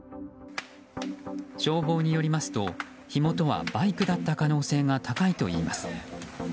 消防によりますと火元はバイクだった可能性が高いといいます。